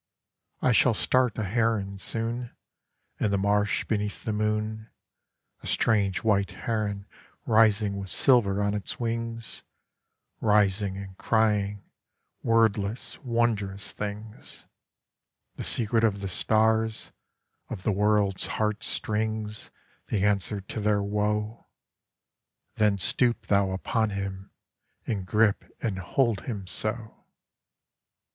I shall start a heron soonIn the marsh beneath the moon—A strange white heron rising with silver on its wings, Rising and cryingWordless, wondrous things; The secret of the stars, of the world's heart stringsThe answer to their woe. Then stoop thou upon him, and grip and hold him so!"